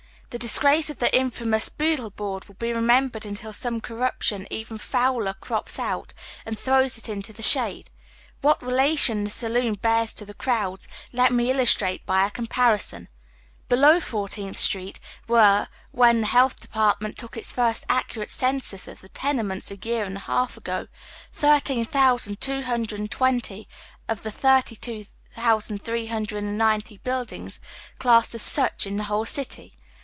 The disgi ace of the infamous " Boodle Board " will be remembered until some corruption even fouler crops out and throws it into the shade. What relation the. saloon bears to the crowds, let me il histrate by a comparison. Below Fourteenth Street were, when the Health Department took its first accurate census of the tenements a year and a half ago, 13,220 of the 32, 390 buildings classed as such in the whole city.